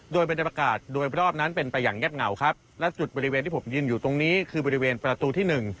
โดยบรรยากาศโดยรอบนั้นเป็นไปอย่างเงียบเหงาครับและจุดบริเวณที่ผมยืนอยู่ตรงนี้คือบริเวณประตูที่หนึ่ง